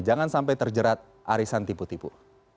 jangan sampai terjerat arisan tipu tipu